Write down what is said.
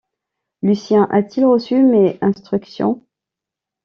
Lucien a-t-il reçu mes instructions?...